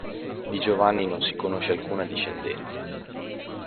Di Giovanni non si conosce alcuna discendenza.